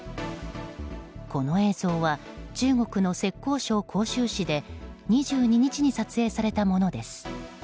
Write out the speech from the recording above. この映像は中国の浙江省杭州市で２２日に撮影されたものです。